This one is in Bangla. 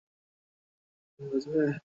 তাহলে তুমি কাকে বাঁচাবে?